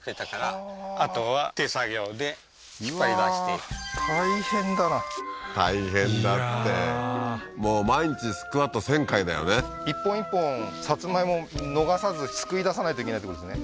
本当に大変だな大変だってもう毎日スクワット１０００回だよね一本一本さつまいも逃さずすくい出さないといけないってことですね？